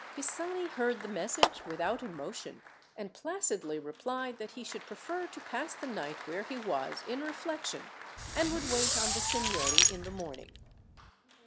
Pisani heard the message without emotion, and placidly replied that he should prefer to pass the night where he was in reflection, and would wait on the seignory in the morning.